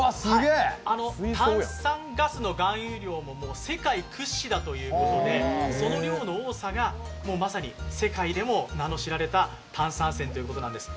炭酸ガスの含有量も世界屈指だということで、その量の多さがまさに世界でも名の知られた炭酸泉ということなんです。